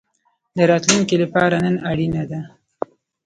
د راتلونکي لپاره نن اړین ده